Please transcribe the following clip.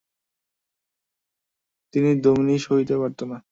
কিন্তু দামিনী সহিতে পারিত না।